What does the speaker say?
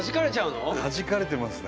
はじかれてますね。